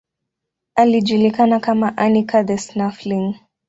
Alijulikana kama Anica the Snuffling.